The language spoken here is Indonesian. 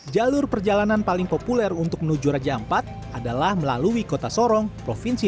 jalur perjalanan paling populer untuk menuju raja ampat adalah melalui kota sorong provinsi